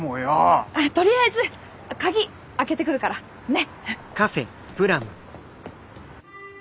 とりあえず鍵開けてくるから。ね！